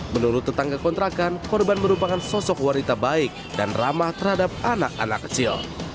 menurut tetangga kontrakan korban merupakan sosok wanita baik dan ramah terhadap anak anak kecil